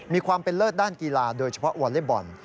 มีความเป็นเลิศด้านกีฬาโดยเฉพาะวอเล็กบอล